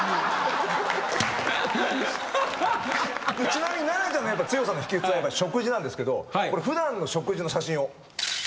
ちなみにななちゃんの強さの秘訣は食事なんですけど普段の食事の写真を。